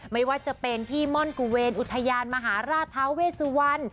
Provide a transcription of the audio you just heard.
ไม่ว่าจะเป็นพี่ม่อนกุเวรอุทยานมหาราชทาเวสุวรรณ